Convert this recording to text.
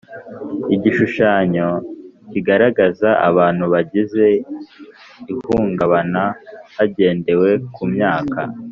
Igishushanyo kigaragaza abantu bagize ihungabana hagendewe ku myaka